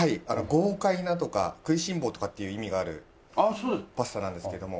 「豪快な」とか「食いしん坊」とかっていう意味があるパスタなんですけども。